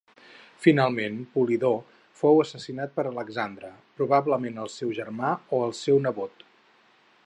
Finalment Polidor fou assassinat per Alexandre, probablement el seu germà o el seu nebot.